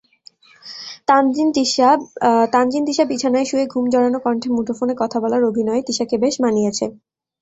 তানজিন তিশাবিছানায় শুয়ে ঘুম জড়ানো কণ্ঠে মুঠোফোনে কথা বলার অভিনয়ে তিশাকে বেশ মানিয়েছে।